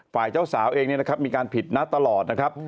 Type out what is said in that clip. ฝ่ายเจ้าสาวเองมีการผิดนัดตลอดนะครับ